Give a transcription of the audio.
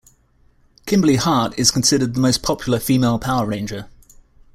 Kimberly Hart is considered the most popular female power ranger.